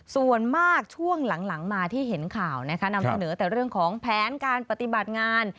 ส่วนมากช่วงหลังมาที่เห็นข่าวนะคะนำเสนอแต่เรื่องของแผนการปฏิบัติงาน